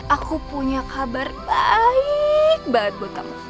aku punya kabar baaaiiiiik banget buat kamu